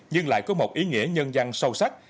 nhưng lại có một ý nghĩa nhân văn sâu sắc